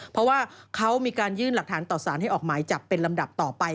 เพราะว่าเขามีการยื่นหลักฐานต่อสารให้ออกหมายจับเป็นลำดับต่อไป